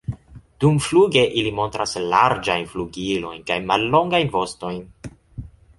Dumfluge ili montras larĝajn flugilojn kaj mallongajn vostojn.